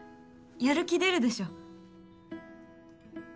やる気出るでしょ？